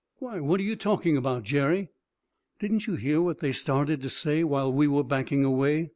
"Why, what are you talking about, Jerry?" "Didn't you hear what they started to say while we were backing away?"